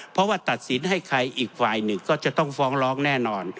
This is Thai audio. เพราะว่าตัดสินให้ใครอีกฝ่ายหนึ่งก็จะต้องฟ้องร้องแน่นอน